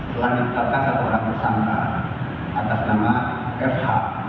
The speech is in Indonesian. telah menetapkan satu orang tersangka atas nama fh